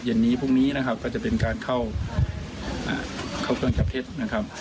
เย็นนี้พรุ่งนี้นะครับก็จะเป็นการเข้าเครื่องจับเท็จนะครับ